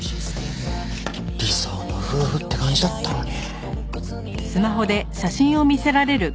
理想の夫婦って感じだったのに。